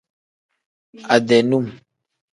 Ade num.